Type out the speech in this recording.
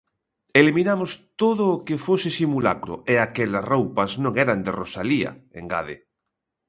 Eliminamos todo o que fose simulacro, e aquelas roupas non eran de Rosalía, engade.